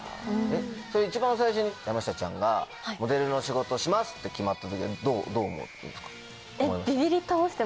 それ一番最初に山下ちゃんがモデルの仕事しますって決まった時はどう思いました？